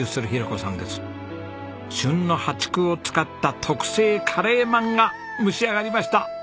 旬の淡竹を使った特製カレーまんが蒸し上がりました！